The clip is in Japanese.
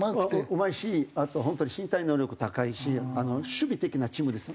うまいしあと本当に身体能力高いし守備的なチームです。